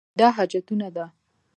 دا حاجتونه ده.